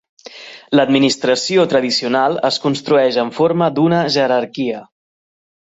L'administració tradicional es construeix en forma d'una jerarquia.